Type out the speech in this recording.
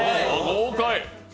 豪快！